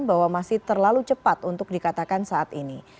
bahwa masih terlalu cepat untuk dikatakan saat ini